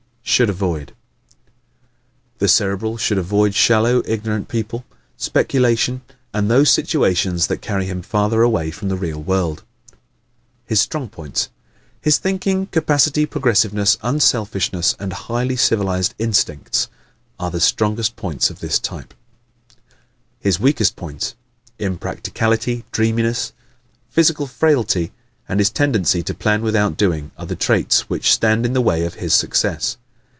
Should Avoid ¶ The Cerebral should avoid shallow, ignorant people, speculation and those situations that carry him farther away from the real world. His Strong Points ¶ His thinking capacity, progressiveness, unselfishness, and highly civilized instincts are the strongest points of this type. His Weakest Points ¶ Impracticality, dreaminess, physical frailty and his tendency to plan without doing, are the traits which stand in the way of his success.